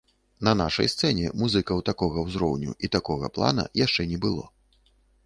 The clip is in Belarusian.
На нашай сцэне музыкаў такога ўзроўню і такога плана яшчэ не было.